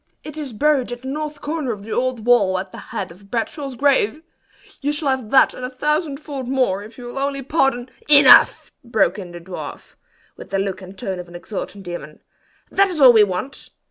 "It is buried at the north corner of the old wall at the head of Bradshaw's grave. You shall have that and a thousandfold more if you'll only pardon " "Enough!" broke in the dwarf, with the look and tone of an exultant demon. "That is all we want!